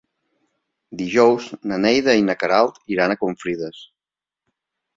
Dijous na Neida i na Queralt iran a Confrides.